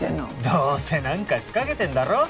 どうせ何か仕掛けてんだろ？